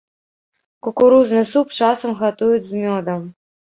Кукурузны суп часам гатуюць з мёдам.